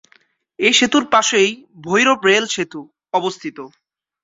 এই সেতুর পাশেই "ভৈরব রেল সেতু" অবস্থিত।